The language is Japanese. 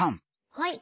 はい。